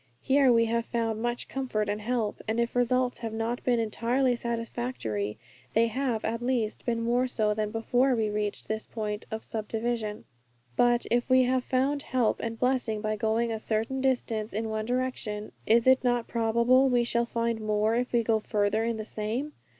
Here we have found much comfort and help, and if results have not been entirely satisfactory, they have, at least, been more so than before we reached this point of subdivision. But if we have found help and blessing by going a certain distance in one direction, is it not probable we shall find more if we go farther in the same?